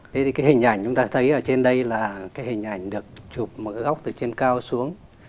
thế thì cái hình ảnh chúng ta thấy ở trên đây là cái hình ảnh được chụp một cái góc từ trên cao xuống